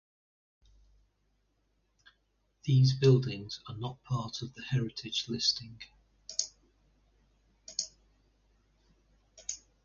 These buildings are not part of the heritage listing.